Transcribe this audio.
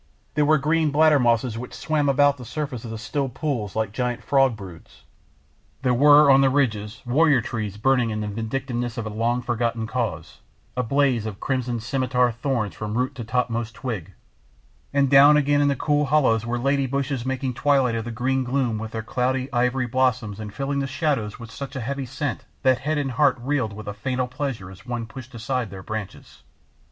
There were green bladder mosses which swam about the surface of the still pools like gigantic frog broods. There were on the ridges warrior trees burning in the vindictiveness of a long forgotten cause a blaze of crimson scimitar thorns from root to topmost twig; and down again in the cool hollows were lady bushes making twilight of the green gloom with their cloudy ivory blossoms and filling the shadows with such a heavy scent that head and heart reeled with fatal pleasure as one pushed aside their branches.